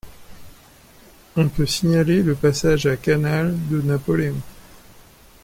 On peut signaler le passage à Canals de Napoléon.